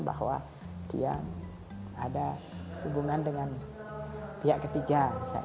bahwa dia ada hubungan dengan pihak ketiga